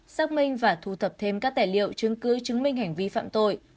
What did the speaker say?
xác minh và thu thập thêm các tài liệu chứng cứ chứng minh hành vi phạm tội